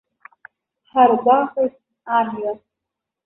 Ҳаргәаҟит амҩа.